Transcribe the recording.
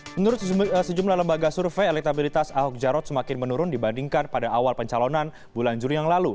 menurut sejumlah lembaga survei elektabilitas ahok jarot semakin menurun dibandingkan pada awal pencalonan bulan juli yang lalu